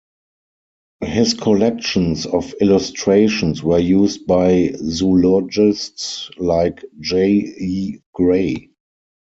His collections of illustrations were used by zoologists like J. E. Gray.